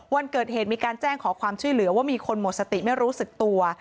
วันเกิดเหตุมีการแจ้งขอความช่วยเหลือว่ามีคนหมดสติไม่รู้สึกตัว